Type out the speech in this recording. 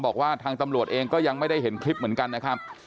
บอกว่าทางตำรวจเองก็ยังไม่ได้เห็นคลิปเหมือนกันนะครับ